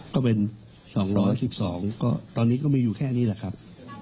ก็เป็น๒๑๒ก็ตอนนี้ก็มีอยู่แค่นี้แหละครับ